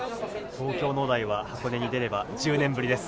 東京農大は箱根に出れば１０年ぶりです。